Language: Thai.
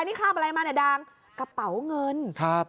นี่ข้ามอะไรมาเนี่ยดังกระเป๋าเงินครับ